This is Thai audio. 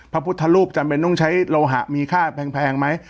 พระพุทธรูปจำเป็นต้องใช้โลหะมีค่าแพงไหม